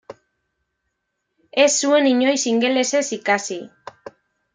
Ez zuen inoiz ingelesez ikasi.